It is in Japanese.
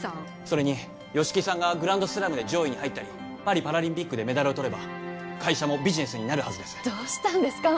それに吉木さんがグランドスラムで上位に入ったりパリパラリンピックでメダルをとれば会社もビジネスになるはずですどうしたんですか？